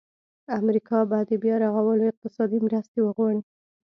امریکا به د بیا رغولو اقتصادي مرستې وغواړي.